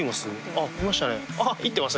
あっいましたね。